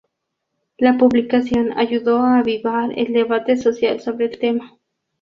La publicación ayudó a avivar el debate social sobre el tema.